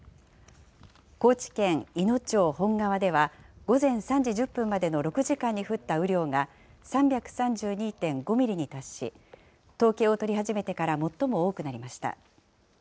高知県いの町本川では、午前３時１０分までの６時間に降った雨量が３３２．５ミリに達し、統計を取り始めてから最も多くなりました。